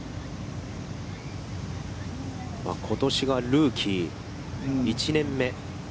ことしがルーキー１年目。